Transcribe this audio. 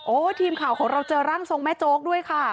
ทีมข่าวของเราเจอร่างทรงแม่โจ๊กด้วยค่ะ